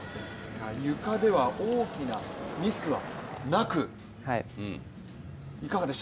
ゆかでは大きなミスはなく、いかがでした？